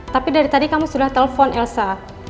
tapi dari tadi kamu sudah telepon elsa